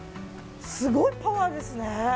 すごいパワーですね。